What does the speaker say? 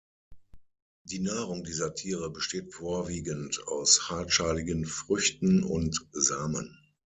Die Nahrung dieser Tiere besteht vorwiegend aus hartschaligen Früchten und Samen.